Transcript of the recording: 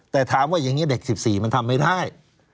แต่ถามว่าอย่างนี้เด็ก๑๔มันทำไม่ได้